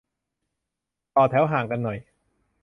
ต่อแถวห่างกันหน่อย